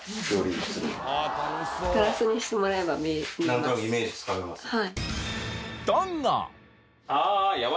何となくイメージつかめますね。